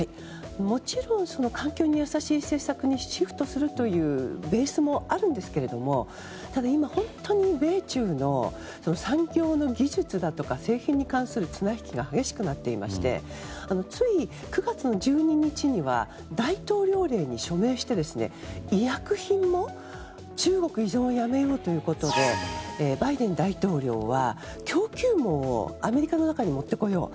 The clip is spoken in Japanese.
もちろん環境に優しい政策にシフトするというベースもあるんですけれどもただ今、本当に米中の産業の技術だとか製品に関する綱引きが激しくなっていましてつい９月の１２日には大統領令に署名して医薬品も中国依存をやめようということでバイデン大統領は供給網をアメリカの中に持ってこよう。